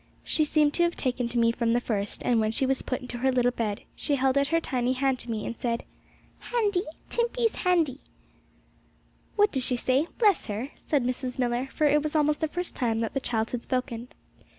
She seemed to have taken to me from the first, and when she was put into her little bed she held out her tiny hand to me, and said, 'Handie, Timpey's handie.' 'What does she say? bless her!' said Mrs. Millar, for it was almost the first time that the child had spoken.